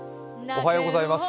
おはようございます。